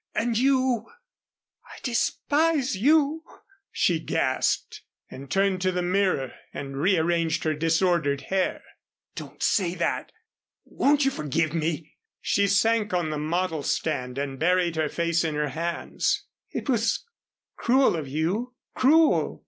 "And you " "I despise you," she gasped. She turned to the mirror, and rearranged her disordered hair. "Don't say that. Won't you forgive me?" She sank on the model stand and buried her face in her hands. "It was cruel of you cruel."